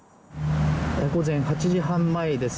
午前８時半前です。